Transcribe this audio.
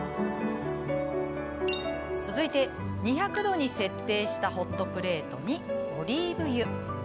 続いて、２００度に設定したホットプレートにオリーブ油。